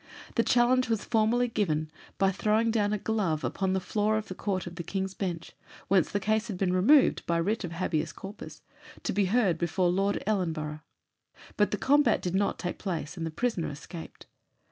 The challenge was formally given by throwing down a glove upon the floor of the Court of King's Bench, whence the case had been removed by "Writ of Habeas Corpus," to be heard before Lord Ellenborough. But the combat did not take place, and the prisoner escaped.